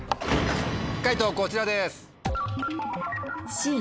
解答こちらです。